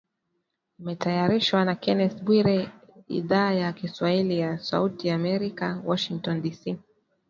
Imetayarishwa na Kennes Bwire, Idhaa ya Kiswahili ya Sauti ya Amerika, Washington DC